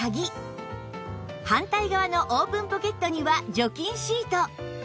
反対側のオープンポケットには除菌シート